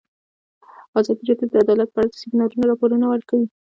ازادي راډیو د عدالت په اړه د سیمینارونو راپورونه ورکړي.